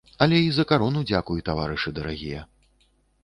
Але й за карону дзякуй, таварышы дарагія.